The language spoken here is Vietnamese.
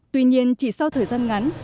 tuy nhiên chỉ sau thời gian ngắn